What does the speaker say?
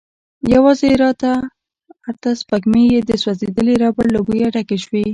يواځې ارته سپږمې يې د سوځيدلې ربړ له بويه ډکې شوې.